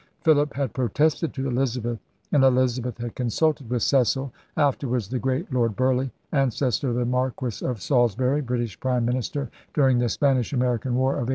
Philip had protested to Eliza beth, and Elizabeth had consulted with Cecil, afterwards *the great Lord Burleigh,' ancestor of the Marquis of Salisbury, British Prime Minister during the Spanish American War of 1898.